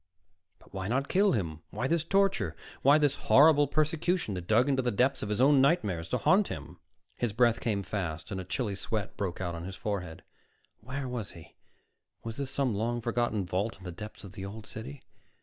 But why not kill him? Why this torture? Why this horrible persecution that dug into the depths of his own nightmares to haunt him? His breath came fast and a chilly sweat broke out on his forehead. Where was he? Was this some long forgotten vault in the depths of the Old City?